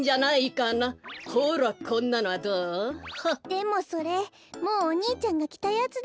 でもそれもうお兄ちゃんがきたやつでしょ？